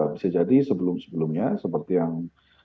bisa jadi sebelum sebelumnya seperti yang